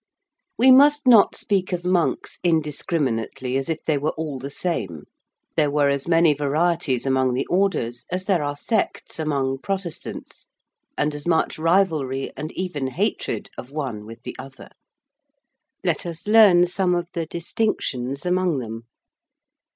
We must not speak of monks indiscriminately as if they were all the same. There were as many varieties among the Orders as there are sects among Protestants and as much rivalry and even hatred of one with the other. Let us learn some of the distinctions among them.